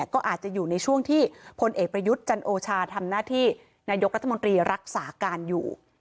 ก็อาจจะอยู่ในช่วงที่พลเอกประยุทธ์จันโอชาทำหน้าที่นายกรัฐมนตรีรักษาการอยู่